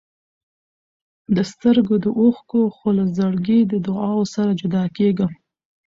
له سترګو د اوښکو، خو له زړګي د دعاوو سره جدا کېږم.